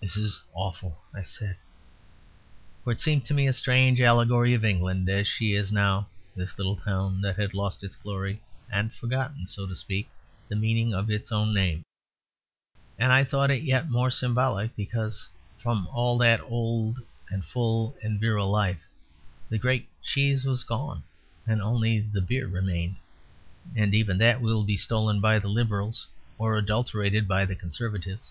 "This is awful," I said: for it seemed to me a strange allegory of England as she is now; this little town that had lost its glory; and forgotten, so to speak, the meaning of its own name. And I thought it yet more symbolic because from all that old and full and virile life, the great cheese was gone; and only the beer remained. And even that will be stolen by the Liberals or adulterated by the Conservatives.